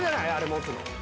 持つの。